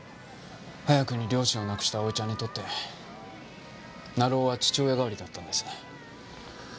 早くに両親を亡くした蒼ちゃんにとって成尾は父親代わりだったんです。